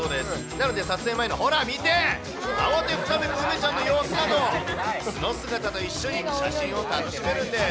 なので撮影までの、ほら見て、慌てふためく梅ちゃんの様子も、素の姿と一緒に写真を楽しめるんです。